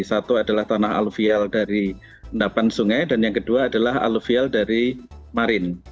satu adalah tanah aluvial dari endapan sungai dan yang kedua adalah aluvial dari marin